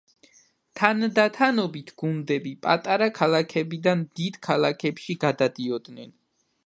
თანდათანობით, გუნდები პატარა ქალაქებიდან დიდ ქალაქებში გადადიოდნენ.